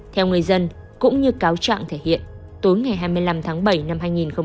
theo người dân cũng như cáo trạng thể hiện tối ngày hai mươi năm tháng bảy năm hai nghìn một mươi chín